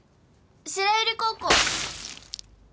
白百合高校。